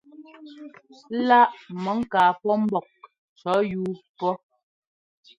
La mɔ ŋká pɔ mbɔ́k cʉ̈ yuu pɔ.